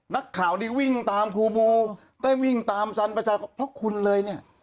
นักข่าวนี่วิ่งตามครูบูได้วิ่งตามสันประชาพระคุณเลยเนี่ย